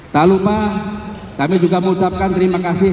tak lupa kami juga mengucapkan terima kasih